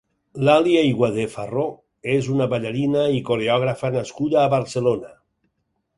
Lali Ayguadé Farró és una ballarina i coreògrafa nascuda a Barcelona.